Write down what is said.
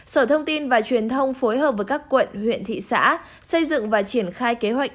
sở thông tin và truyền thông phối hợp với các quận huyện thị xã xây dựng và triển khai kế hoạch